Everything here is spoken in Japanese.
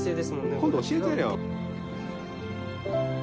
今度教えてやるよ。